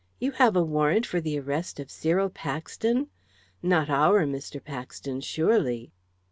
"You have a warrant for the arrest of Cyril Paxton! Not our Mr. Paxton, surely?"